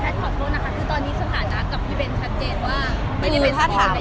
แพทย์ขอโทษนะคะคือตอนนี้สถานะกับพี่เบนชัดเจนว่า